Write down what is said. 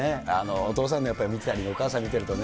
お父さんの見てたり、お母さん見てるとね。